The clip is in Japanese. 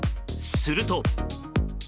すると。